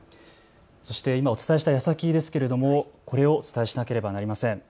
そして今お伝えしたやさきですけれどもこれをお伝えしなければいけません。